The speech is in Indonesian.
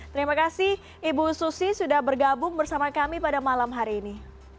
terima kasih ibu susi sudah bergabung bersama kami pada malam hari ini